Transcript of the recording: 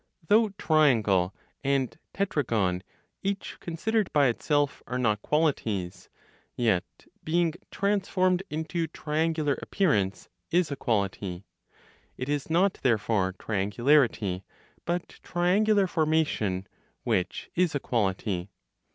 Though triangle, and tetragon, each considered by itself, are not qualities; yet being "transformed into triangular appearance" is a quality; it is not therefore triangularity, but triangular formation, which is a quality.